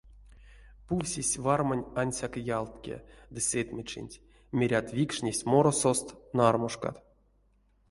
Пувсесь вармань ансяк ялтке ды сэтьмечинть, мерят, викшнесть моросост нармушкат.